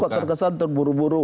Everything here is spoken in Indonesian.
kok terkesan terburu buru